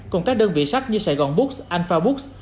cùng các đơn vị sách như sài gòn books alphabooks